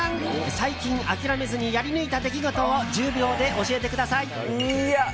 最近、諦めずにやり抜いた出来事を１０秒で教えてください。